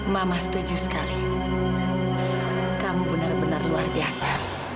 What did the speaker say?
mama setuju sekali kamu benar benar luar biasa